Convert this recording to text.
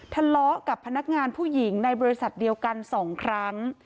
ทะเลาะกับพนักงานผู้หญิงในบริษัทเดียวกัน๒ครั้ง